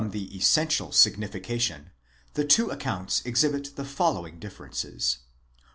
the essential signification the two accounts exhibit the following differences. τ.